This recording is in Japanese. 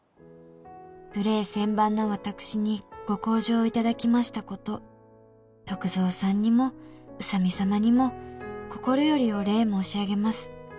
「無礼千万な私にご厚情いただきましたこと」「篤蔵さんにも宇佐美様にも心よりお礼申し上げます」